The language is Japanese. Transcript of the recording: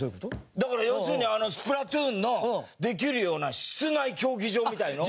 だから要するに『スプラトゥーン』のできるような室内競技場みたいのを。